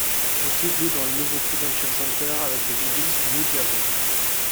L'équipe joue dans le nouveau Prudential Center avec les Devils du New Jersey.